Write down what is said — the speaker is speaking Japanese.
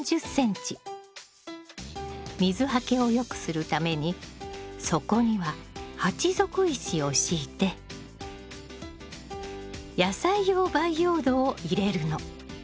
水はけを良くするために底には鉢底石を敷いて野菜用培養土を入れるの。